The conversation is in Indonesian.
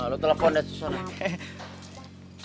lo telepon deh susah